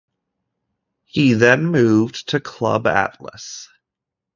He then moved to Club Atlas.